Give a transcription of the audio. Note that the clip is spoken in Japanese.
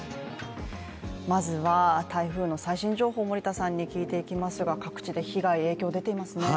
まずは台風の最新情報を森田さんに聞いていきますが各地で被害、影響出ていますね。